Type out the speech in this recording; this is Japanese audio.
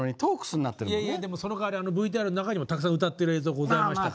でもそのかわりＶＴＲの中にもたくさん歌ってる映像ございましたから。